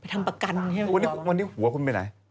วันนี้หัวคุณไปไหน